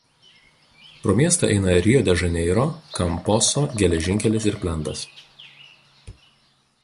Pro miestą eina Rio de Žaneiro–Kamposo geležinkelis ir plentas.